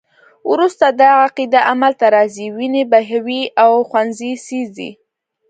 وروسته دا عقیده عمل ته راځي، وینې بهوي او ښوونځي سیزي.